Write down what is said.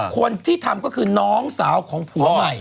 คนที่ทำก็คือน้องสาวของผัวใหม่